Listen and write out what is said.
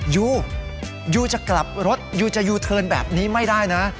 ยูยูจะกลับรถยูจะยูเทิร์นแบบนี้ไม่ได้นะ